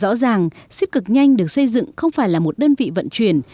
rõ ràng xip cực nhanh được xây dựng không phải là một đơn vị vận chuyển